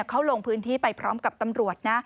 เขาลงพื้นที่ไปพร้อมกับตำรวจนะ